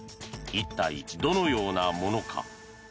一体どのようなものか。